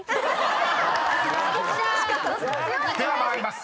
［では参ります。